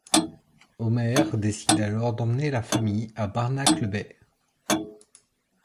Homer décide alors d'emmener la famille à Barnacle Bay.